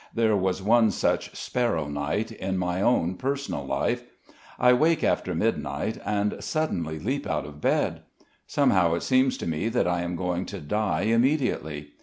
There was one such sparrow night in my own personal life.... I wake after midnight and suddenly leap out of bed. Somehow it seems to me that I am going to die immediately.